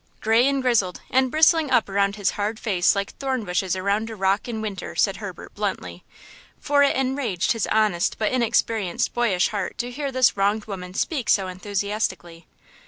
"Gray and grizzled, and bristling up around his hard face like thorn bushes around a rock in winter!" said Herbert, bluntly, for it enraged his honest but inexperienced boyish heart to hear this wronged woman speak so enthusiastically.